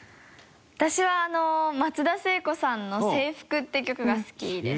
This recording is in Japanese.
私はあの松田聖子さんの『制服』って曲が好きです。